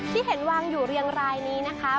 ที่เห็นวางอยู่เรียงรายนี้นะคะ